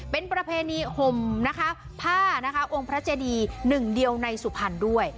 เป็นประเพณีห่มภาพองค์พระเจดี๑เดียวในสุพรรณด้วย